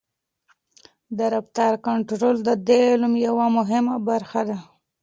د رفتار کنټرول د دې علم یوه مهمه برخه ده.